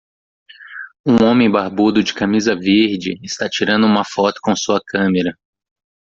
Um homem barbudo de camisa verde está tirando uma foto com sua câmera